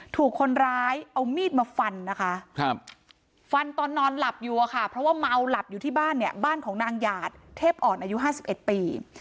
ถูกคนร้ายเอามีดมาฟันนะคะฟันตอนนอนหลับอยู่อะค่ะเพราะว่าเมาหลับอยู่ที่บ้านเนี่ยบ้านของนางหยาดเทพออ่อนอายุ๕๑ปี